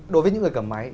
đối với những người cầm máy